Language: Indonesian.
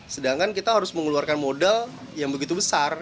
sedangkan kita harus mengeluarkan modal yang begitu besar